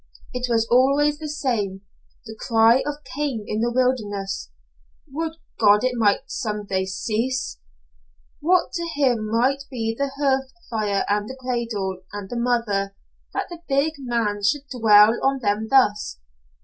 It was always the same the cry of Cain in the wilderness. Would God it might some day cease! What to him might be the hearth fire and the cradle, and the mother, that the big man should dwell on them thus?